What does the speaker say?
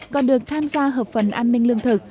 còn được tham gia hợp phần an ninh lương thực